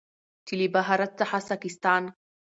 چې له بهارت څخه ساکستان،